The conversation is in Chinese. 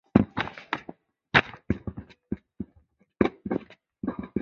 凝毛杜鹃为杜鹃花科杜鹃属下的一个变种。